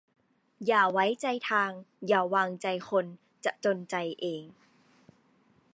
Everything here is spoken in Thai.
อย่าไว้ใจทาง อย่าวางใจคน จะจนใจเอง